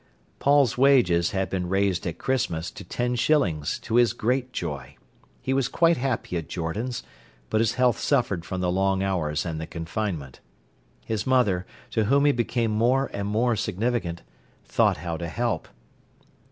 Paul's wages had been raised at Christmas to ten shillings, to his great joy. He was quite happy at Jordan's, but his health suffered from the long hours and the confinement. His mother, to whom he became more and more significant, thought how to help.